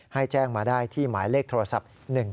ให้แจ้งมาได้ที่หมายเลขโทรศัพท์๑๙